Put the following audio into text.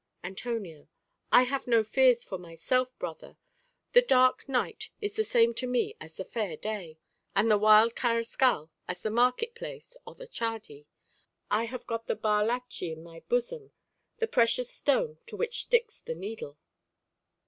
Antonio I have no fears myself, brother: the dark night is the same to me as the fair day, and the wild carrascal as the market place or the chardi; I have got the bar lachí in my bosom, the precious stone to which sticks the needle.